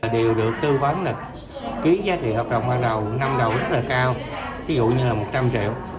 đều được tư vấn lịch ký giá trị hợp đồng ban đầu năm đầu rất là cao ví dụ như là một trăm linh triệu